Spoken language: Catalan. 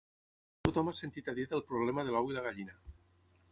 Tothom ha sentit a dir del problema de l'ou i la gallina.